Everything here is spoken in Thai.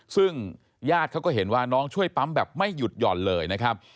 ซึ่งญาติเขาก็เห็นว่าน้องช่วยปั๊มแบบไม่หยุดหย่อนเลยนะครับ